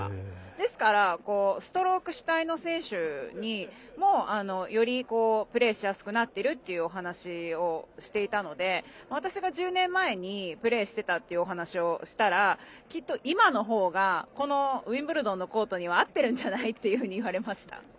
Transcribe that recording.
ですからストローク主体の選手もよりプレーしやすくなってるというお話をしていたので私が１０年前にプレーしていたっていうお話をしたらきっと今のほうがウィンブルドンのコートには合ってるんじゃないというふうに言われました。